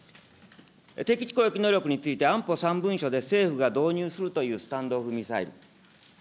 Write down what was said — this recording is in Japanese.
敵基地攻撃能力について、安保３文書で政府が導入するというスタンド・オフ・ミサイル。